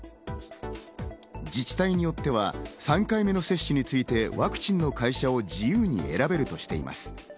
自治体によっては３回目の接種についてワクチンの会社を自由に選べるとしています。